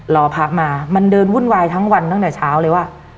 รอพระมามันเดินวุ่นวายทั้งวันตั้งแต่เช้าเลยว่า